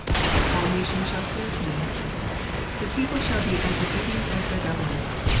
^'AU nations shall serve him.''' The piople shall be as obedient as the governors.